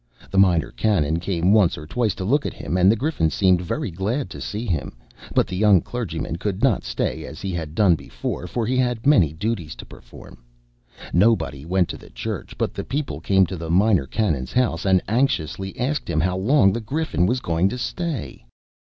The Minor Canon came once or twice to look at him, and the Griffin seemed very glad to see him; but the young clergyman could not stay as he had done before, for he had many duties to perform. Nobody went to the church, but the people came to the Minor Canon's house, and anxiously asked him how long the Griffin was going to stay.